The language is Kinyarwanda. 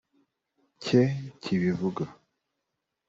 ke kibivuga